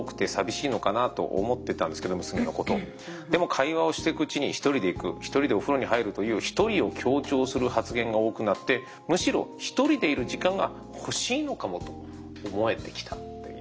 でも会話をしていくうちに１人で行く１人でお風呂に入るという１人を強調する発言が多くなってむしろ１人でいる時間が欲しいのかもと思えてきたっていうところで。